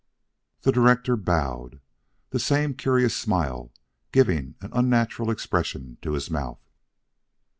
The director bowed, the same curious smile giving an unnatural expression to his mouth.